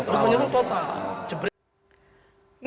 lalu penyeluruh total